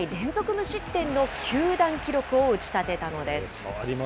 無失点の球団記録を打ち立てたんです。